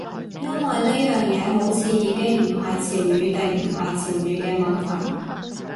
因為呢樣嘢好似已經唔係潮語定唔係潮語嘅問題